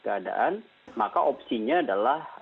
keadaan maka opsinya adalah